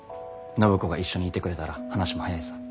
暢子が一緒にいてくれたら話も早いさ。